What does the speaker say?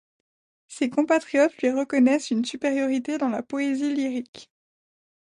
Ses compatriotes lui reconnaissent une supériorité dans la poésie lyrique.